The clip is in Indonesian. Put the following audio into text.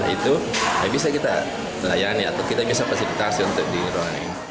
itu bisa kita layani atau kita bisa fasilitasi untuk di ruangan ini